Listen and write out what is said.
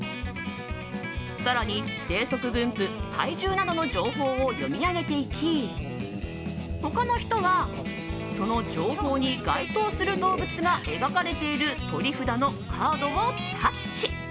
更に、生息分布体重などの情報を読み上げていき他の人はその情報に該当する動物が描かれている取り札のカードをタッチ。